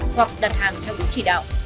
hoặc đặt hàng theo đúng chỉ đạo